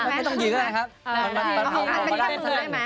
เอาสักนิดหน่อยประมาณเป็นแค่มือได้ไหม